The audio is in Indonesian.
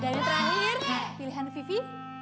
dari terakhir pilihan vivi